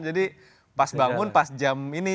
jadi pas bangun pas jam ini